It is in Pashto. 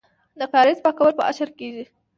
د کاریز پاکول په اشر کیږي.